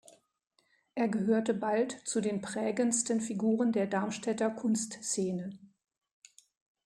Er gehörte bald zu den prägendsten Figuren der Darmstädter Kunstszene.